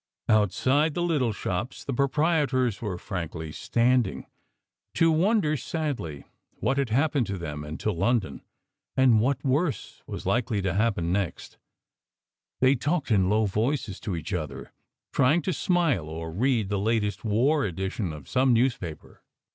Outside the little shops the pro prietors were frankly standing, to wonder sadly what had SECRET HISTORY 251 happened to them and to London, and what worse thing was likely to happen next? They talked in low voices to each other, trying to smile or read the latest war edition of some newspaper.